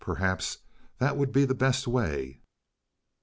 Perhaps that would be the best way.